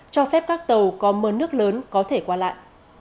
cho phép các tàu có mơ nước lớn có thể qua lại